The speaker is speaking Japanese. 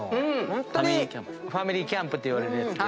ホントにファミリーキャンプっていわれるやつで。